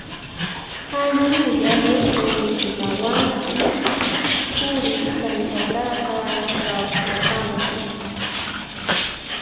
Allin uyayuq rumikunawansi Quri kanchataqa rawkharqanku.